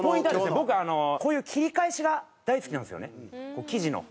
僕こういう切り返しが大好きなんですよね生地の。